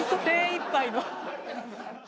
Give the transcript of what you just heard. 精いっぱいの。